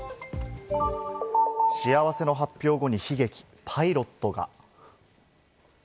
幸せの発表後に悲劇、パイロットが。